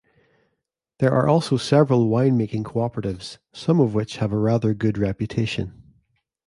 There are also several winemaking cooperatives, some of which have a rather good reputation.